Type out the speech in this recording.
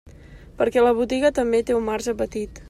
Perquè la botiga també té un marge petit.